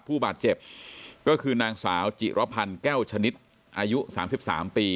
ผู้บาดเจ็บก็คือนางสาวจิรพันธ์แก้วชนิดอายุ๓๓ปี